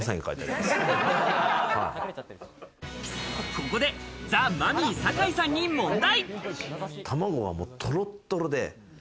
ここでザ・マミィ酒井さんに問題。